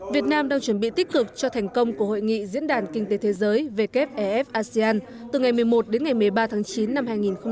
việt nam đang chuẩn bị tích cực cho thành công của hội nghị diễn đàn kinh tế thế giới wfef asean từ ngày một mươi một đến ngày một mươi ba tháng chín năm hai nghìn hai mươi